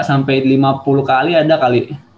sampai lima puluh kali ada kali